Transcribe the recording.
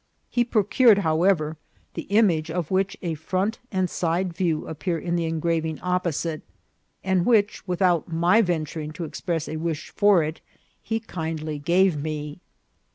He procured, however, the image of which a front and side view appear in the engraving opposite, and which, without my venturing to express a wish for it, he kind ly gave to me.